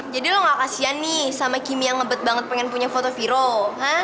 jadi lo gak kasihan nih sama kimi yang ngebet banget pengen punya foto viro ha